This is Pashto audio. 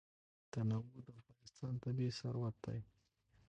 تنوع د افغانستان طبعي ثروت دی.